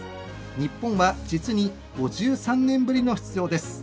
日本は実に５３年ぶりの出場です。